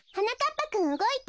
ぱくんうごいた。